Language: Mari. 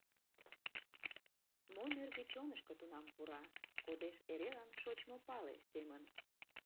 Мо нӧргӧ чонышко тунам пура, Кодеш эрелан шочмо пале семын.